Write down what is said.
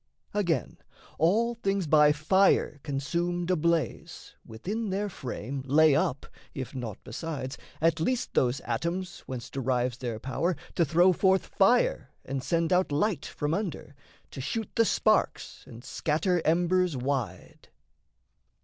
Again, all things by fire consumed ablaze, Within their frame lay up, if naught besides, At least those atoms whence derives their power To throw forth fire and send out light from under, To shoot the sparks and scatter embers wide.